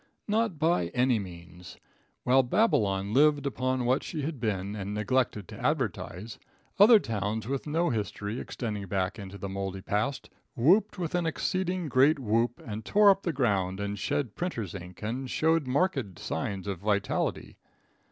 Not by any means. While Babylon lived upon what she had been and neglected to advertise, other towns with no history extending back into the mouldy past, whooped with an exceeding great whoop and tore up the ground and shed printers' ink and showed marked signs of vitality.